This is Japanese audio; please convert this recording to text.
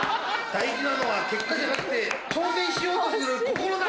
大事なのは結果じゃなくて挑戦しようとする心だ。